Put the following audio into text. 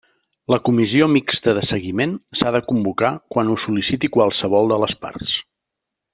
La Comissió Mixta de Seguiment s'ha de convocar quan ho sol·liciti qualsevol de les parts.